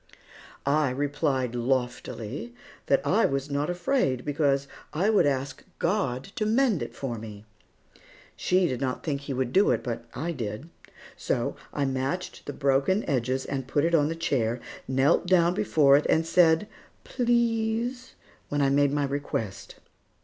I replied loftily that I was not afraid, because I would ask God to mend it for me. She did not think He would do it, but I did. So I matched the broken edges and put it on the chair, knelt down before it and said "Please" when I made my request.